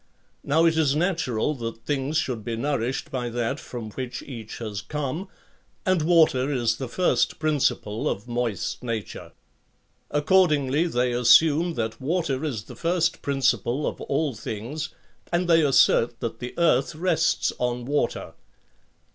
Now it is natural that things should be nourished by that ~~ from which each has come; and water is the first principle of moist nature ...; accordingly they assume "that water is the first principle of all things, and they assert that the earth rests on water.